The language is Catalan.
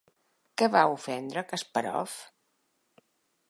Què va ofendre Kaspàrov?